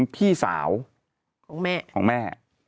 พี่สาวของแม่